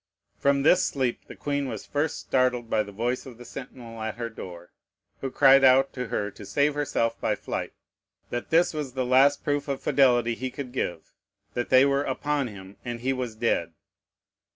From this sleep the queen was first startled by the voice of the sentinel at her door, who cried out to her to save herself by flight, that this was the last proof of fidelity he could give, that they were upon him, and he was dead.